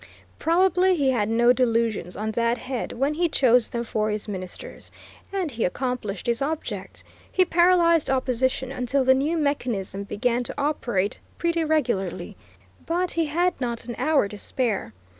Probably he had no delusions on that head when he chose them for his ministers, and he accomplished his object. He paralyzed opposition until the new mechanism began to operate pretty regularly, but he had not an hour to spare.